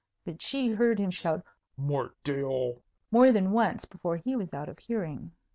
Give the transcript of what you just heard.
But she heard him shout "Mort d'aieul!" more than once before he was out of hearing.